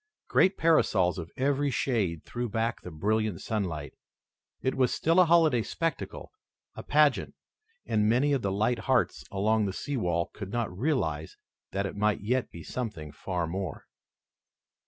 Great parasols of every shade threw back the brilliant sunlight. It was still a holiday spectacle, a pageant, and many of the light hearts along the sea wall could not realize that it might yet be something far more.